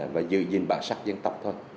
và giữ gìn bản sắc dân tộc thôi